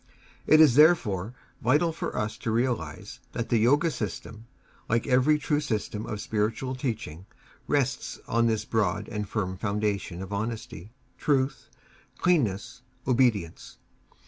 It is, therefore, vital for us to realize that the Yoga system, like every true system of spiritual teaching, rests on this broad and firm foundation of honesty, truth, cleanness, obedience.